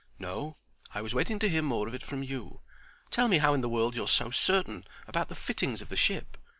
"No. I was waiting to hear more of it from you. Tell me how in the world you're so certain about the fittings of the ship.